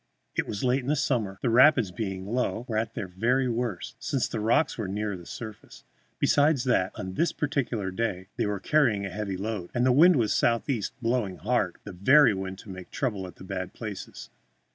It was late in the summer, and the rapids, being low, were at their very worst, since the rocks were nearer the surface. Besides that, on this particular day they were carrying a heavy load, and the wind was southeast, blowing hard the very wind to make trouble at the bad places.